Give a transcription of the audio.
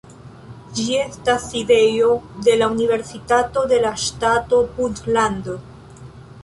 Ĝi estas sidejo de la Universitato de la Ŝtato Puntlando.